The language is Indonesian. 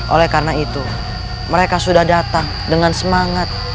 oleh karena itu mereka sudah datang dengan semangat